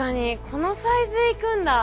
このサイズ行くんだ。